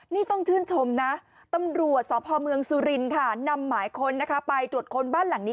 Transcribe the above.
นี่ต้องชื่นชมนะตำรวจสพมสุรินทร์นำหมายคนไปตรวจคนบ้านหลังนี้